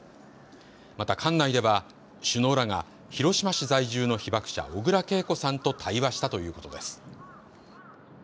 また館内では首脳らが広島市在住の被爆者、小倉桂子さんと対話したということです。